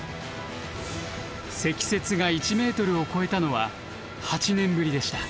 積雪が１ｍを超えたのは８年ぶりでした。